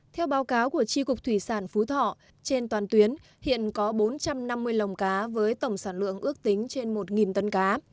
theo báo cáo của tri cục thủy sản phú thọ trên toàn tuyến hiện có bốn trăm năm mươi lồng cá với tổng sản lượng ước tính trên một tấn cá